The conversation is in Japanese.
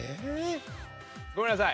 ごめんなさい。